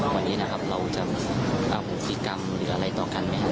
วันนี้นะครับเราจะอโหสิกรรมหรืออะไรต่อกันไหมครับ